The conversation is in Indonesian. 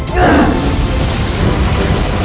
kalau gitu dia mau